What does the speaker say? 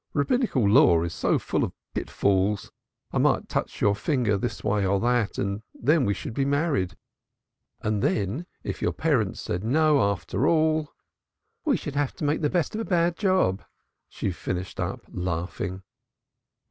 Rabbinical law is so full of pitfalls I might touch your finger this or that way, and then we should be married. And then, if your parents said 'no,' after all " "We should have to make the best of a bad job," she finished up laughingly.